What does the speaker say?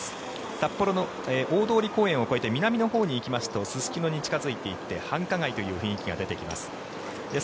札幌の大通公園を越えて南のほうに行きますとすすきのに近付いていって繁華街という雰囲気が出てきます。